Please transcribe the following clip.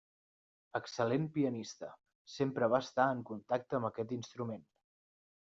Excel·lent pianista, sempre va estar en contacte amb aquest instrument.